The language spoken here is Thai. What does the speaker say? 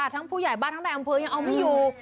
ผู้ใหญ่บ้านทั้งในอำเภอยังเอาไม่อยู่